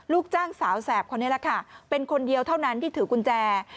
ลูกจ้างสาวแสบคนนี้แหละค่ะเป็นคนเดียวเท่านั้นที่ถือกุญแจ